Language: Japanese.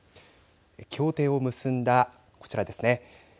協定を結んだこちらですね。